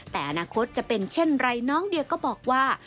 แต่อนาคตจะเป็นเช่นไรน้องเดียก็บอกว่า